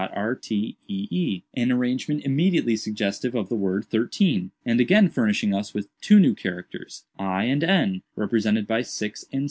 rtee, an arrangement immediately suggestive of the word 'thirteen,' and again furnishing us with two new characters, i and n, represented by 6 and *.